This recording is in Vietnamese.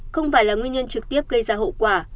không phải là nguyên nhân trực tiếp gây ra hậu quả